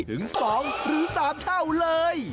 ถึง๒หรือ๓เท่าเลย